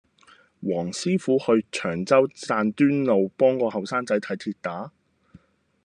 黃師傅去長洲贊端路幫個後生仔睇跌打